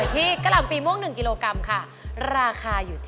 เท็จมาก